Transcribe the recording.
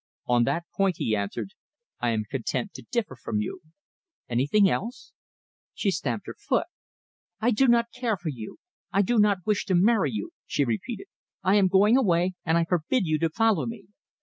"On that point," he answered, "I am content to differ from you. Anything else?" She stamped her foot. "I do not care for you! I do not wish to marry you!" she repeated. "I am going away, and I forbid you to follow me."